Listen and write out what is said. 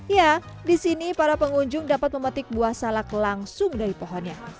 ya di sini para pengunjung dapat memetik buah salak langsung dari pohonnya